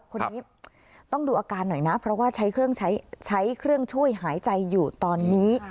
คนนี้ต้องดูอาการหน่อยนะเพราะว่าใช้เครื่องใช้เครื่องช่วยหายใจอยู่ตอนนี้